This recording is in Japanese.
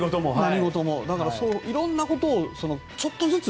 だから、いろんなことをちょっとずつ。